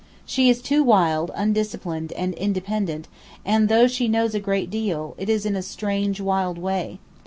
She is too wild, undisciplined, and independent, and though she knows a great deal, it is in a strange, wild way.